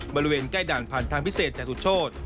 บริเวณใกล้ด่านผ่านทางพิเศษจตุโชธ